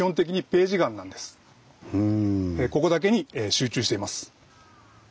ここだけに集中しています。